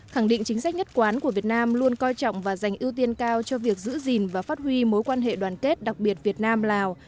khẳng định chính sách nhất quán của việt nam luôn coi trọng và dành ưu tiên cao cho việc giữ gìn và phát huy mối quan hệ đoàn kết đặc biệt việt nam lào